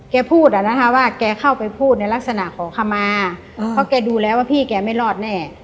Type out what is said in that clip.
พูดอ่ะนะคะว่าแกเข้าไปพูดในลักษณะขอขมาเพราะแกดูแล้วว่าพี่แกไม่รอดแน่